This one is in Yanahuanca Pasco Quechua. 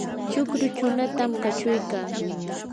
chukru chunutam kachuykaa.